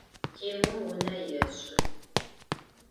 Timur vune yêş'ı.